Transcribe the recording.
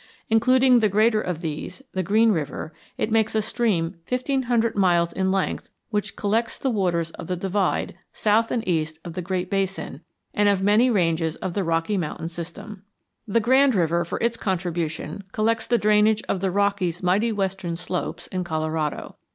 Including the greater of these, the Green River, it makes a stream fifteen hundred miles in length which collects the waters of the divide south and east of the Great Basin and of many ranges of the Rocky Mountain system. The Grand River, for its contribution, collects the drainage of the Rockies' mighty western slopes in Colorado.